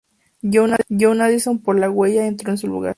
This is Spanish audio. John Addison por "La huella" entró en su lugar.